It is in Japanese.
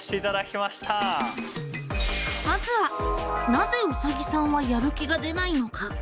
まずは「なぜうさぎさんはやる気が出ないのか？」。